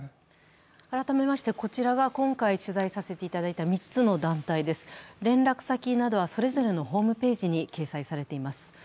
改めましてこちらが今回取材させていただいた３つの団体です、連絡先などはそれぞれのホームページに掲載されています。